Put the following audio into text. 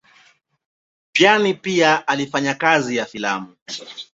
Payn pia alifanya kazi ya filamu.